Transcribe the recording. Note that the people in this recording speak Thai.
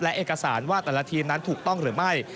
และเอกสารว่าแต่ละทีมนั้นถูกต้องหรือไม่